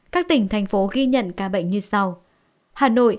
các tỉnh thành phố ghi nhận ca bệnh như sau